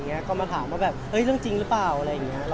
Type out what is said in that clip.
ก็เราก็บอกกับตัวสังกัดว่ามันไม่ใช่เรื่องจริงอะไรอย่างนี้